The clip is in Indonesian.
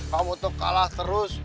kamu tuh kalah terus